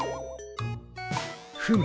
フム。